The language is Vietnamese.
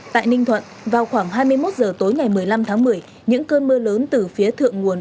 tại ninh thuận vào khoảng hai mươi một h tối ngày một mươi năm tháng một mươi những cơn mưa lớn từ phía thượng nguồn